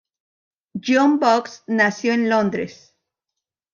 John Box nació en Londres.